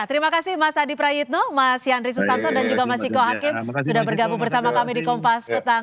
terima kasih mas adi prayitno mas yandri susanto dan juga mas ciko hakim sudah bergabung bersama kami di kompas petang